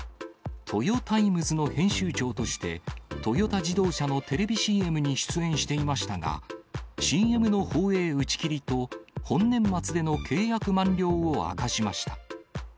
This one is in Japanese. トヨタイムズの編集長として、トヨタ自動車のテレビＣＭに出演していましたが、ＣＭの放映打ち切りと本年末での契約満了を明かしました。